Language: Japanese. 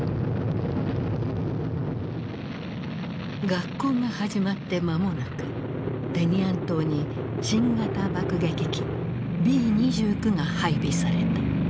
学校が始まって間もなくテニアン島に新型爆撃機Ｂ２９が配備された。